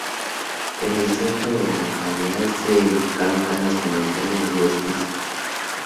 En el centro de la localidad se edificaron casas comerciales de dos pisos.